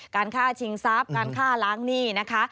การฆ่าชิงทรัพย์การฆ่าล้างหนี้นะคะ